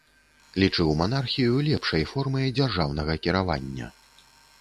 Лічыў манархію лепшай формай дзяржаўнага кіравання.